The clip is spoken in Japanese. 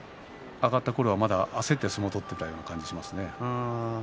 上がったころは慌てて相撲を取ったような感じがします。